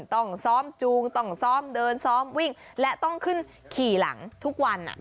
ต้องซ้อมจูงต้องซ้อมเดินซ้อมวิ่งและต้องขึ้นขี่หลังทุกวัน